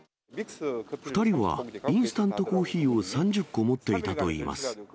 ２人はインスタントコーヒーを３０個持っていたといいます。